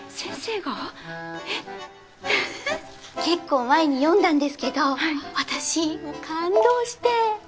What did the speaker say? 結構前に読んだんですけど私感動して。